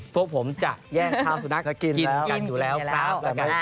พวกผมจะแย่งข้าวสุนัขกินกันอยู่แล้วครับ